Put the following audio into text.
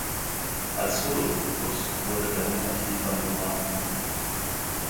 Als Holotypus wurde der Unterkiefer Nr.